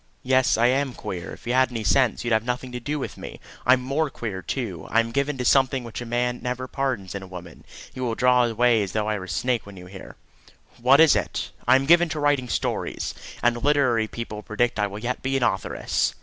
"Yes, I am queer. If you had any sense, you'd have nothing to do with me. I'm more queer, too. I am given to something which a man never pardons in a woman. You will draw away as though I were a snake when you hear." "What is it?" "I am given to writing stories, and literary people predict I will yet be an authoress."